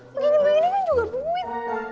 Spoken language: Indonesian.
begini begini kan juga duit